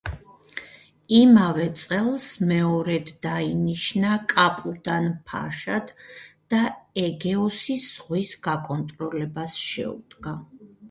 იმავე წელს მეორედ დაინიშნა კაპუდან-ფაშად და ეგეოსის ზღვის გაკონტროლებას შეუდგა.